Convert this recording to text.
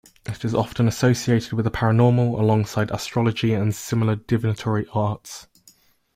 It is often associated with the paranormal, alongside astrology and similar divinatory arts.